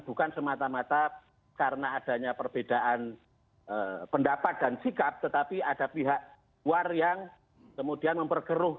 bukan semata mata karena adanya perbedaan pendapat dan sikap tetapi ada pihak luar yang kemudian memperkeruh